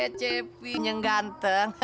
eh cepi yang ganteng